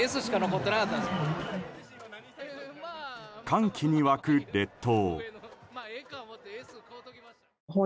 歓喜に沸く列島。